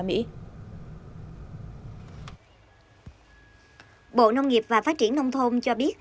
bộ nông nghiệp và phát triển nông thôn cho biết